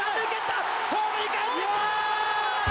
ホームにかえってきた！